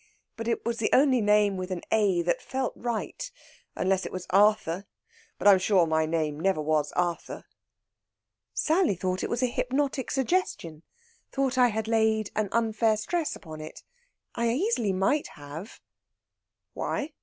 But it was the only name with an 'A' that felt right. Unless it was Arthur, but I'm sure my name never was Arthur!" "Sally thought it was hypnotic suggestion thought I had laid an unfair stress upon it. I easily might have." "Why?